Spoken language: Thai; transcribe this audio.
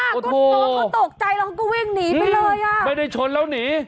ก็ตกใจแล้วเขาก็วิ่งหนีไปเลยอะไม่ได้ชนแล้วหนี